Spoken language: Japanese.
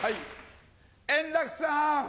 円楽さん！